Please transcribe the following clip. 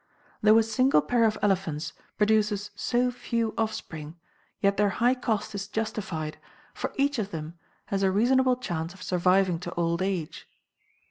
Though a single pair of elephants produces so few offspring, yet their high cost is justified, for each of them has a reasonable chance of surviving to old age.